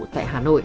tại hà nội